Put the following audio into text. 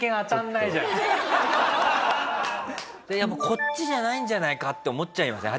「こっちじゃないんじゃないか」って思っちゃいません？